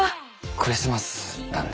クリスマスなんで。